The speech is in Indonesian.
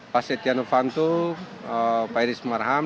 pak setia novanto pak iris marham